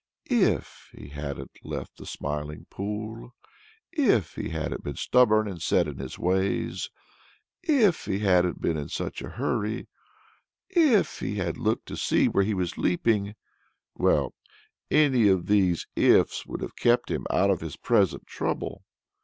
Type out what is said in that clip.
If he hadn't left the Smiling Pool, if he hadn't been stubborn and set in his ways, if he hadn't been in such a hurry, if he had looked to see where he was leaping well, any one of these ifs would have kept him out of his present trouble.